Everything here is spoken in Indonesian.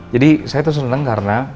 jadi saya tuh seneng karena